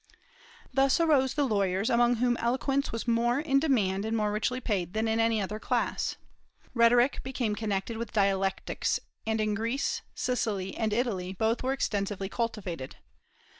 Thus arose the lawyers, among whom eloquence was more in demand and more richly paid than in any other class. Rhetoric became connected with dialectics, and in Greece, Sicily, and Italy both were extensively cultivated.